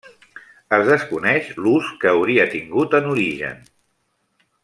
Es desconeix l'ús que hauria tingut en origen.